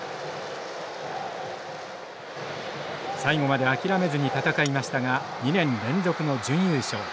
最後まで諦めずに戦いましたが２年連続の準優勝。